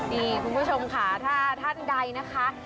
นี่คุณผู้ชมค่ะถ้าท่านใดนะคะ